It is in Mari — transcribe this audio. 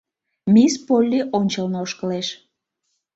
Мисс Полли ончылно ошкылеш.